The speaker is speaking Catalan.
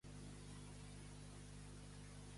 En Biel pensava que tothom el jutjava com una mala persona?